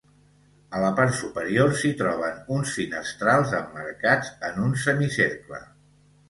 A la part superior s'hi troben uns finestrals emmarcats en un semicercle.